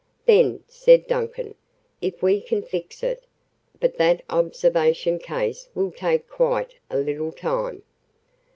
"Then," said Duncan, "if we can fix it But that observation case will take quite a little time."